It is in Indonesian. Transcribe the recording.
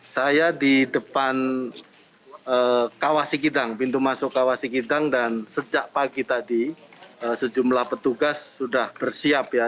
saya di depan pintu masuk kawasi gidang dan sejak pagi tadi sejumlah petugas sudah bersiap ya